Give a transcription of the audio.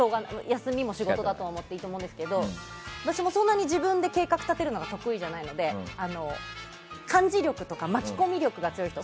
休みも仕事だと思ってもしょうがないと思うんですけど私もそんなに自分で計画立てるのが得意じゃないので幹事力とか巻き込み力が強い人。